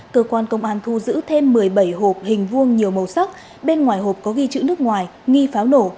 chú thêm một mươi bảy hộp hình vuông nhiều màu sóc bên ngoài hộp có ghi chữ nước ngoài nghi pháo nổ